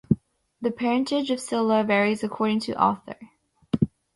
The parentage of Scylla varies according to author.